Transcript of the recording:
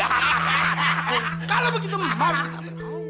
kalau begitu kita merah